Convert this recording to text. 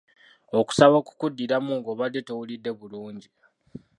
Okusaba okukuddiramu ng’obadde towulidde kirungi.